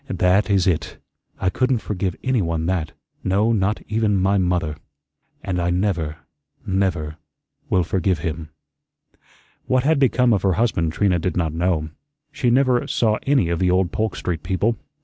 That is it. I couldn't forgive anyone that no, not even my MOTHER. And I never never will forgive him." What had become of her husband Trina did not know. She never saw any of the old Polk Street people.